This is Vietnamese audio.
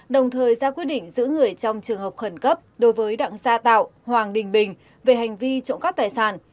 đồng thời ra quyết định giữ người trong trường hợp khẩn cấp đối với đặng gia tạo hoàng đình bình về hành vi trộm cắp tài sản